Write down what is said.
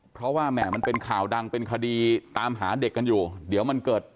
เพราะว่าแหม่มันเป็นข่าวดังเป็นคดีตามหาเด็กกันอยู่เดี๋ยวมันเกิด